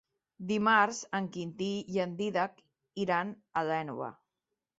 Dimarts en Quintí i en Dídac iran a l'Énova.